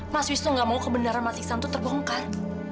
mas wisnu gak mau kebenaran mas iksan itu terbongkar